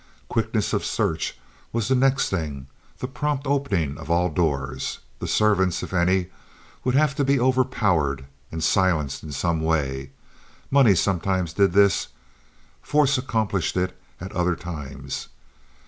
Quickness of search was the next thing—the prompt opening of all doors. The servants, if any, would have to be overpowered and silenced in some way. Money sometimes did this; force accomplished it at other times.